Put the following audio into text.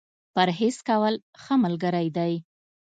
پرهېز کول ، ښه ملګری دی.